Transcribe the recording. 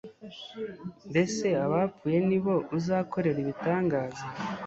mbese abapfuye ni bo uzakorera ibitangaza